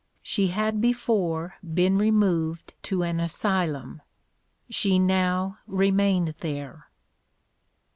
She had before been removed to an asylum: she now remained there.